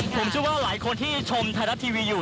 ผมเชื่อว่าหลายคนที่ชมไทยรัฐทีวีอยู่